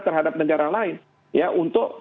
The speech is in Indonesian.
terhadap negara lain ya untuk